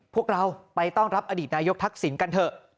พวกเราไปต้อนรับอดีตนายกทักษิณกันเถอะ